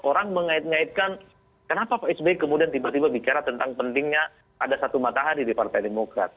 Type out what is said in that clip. orang mengait ngaitkan kenapa pak sby kemudian tiba tiba bicara tentang pentingnya ada satu matahari di partai demokrat